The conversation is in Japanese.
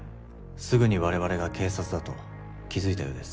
すぐに我々が警察だと気づいたようです。